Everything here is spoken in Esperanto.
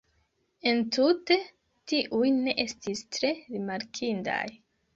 Entute, tiuj ne estis tre rimarkindaj.